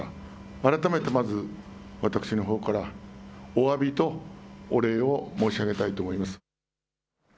改めてまず、私のほうからおわびとお礼を申し上げたいと思います。